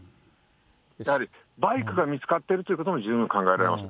やはりバイクが見つかっているということも十分考えられます。